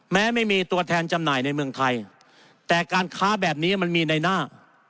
แม้ไม่มีตัวแทนจำหน่ายในเมืองไทยแต่การค้าแบบนี้มันมีในหน้า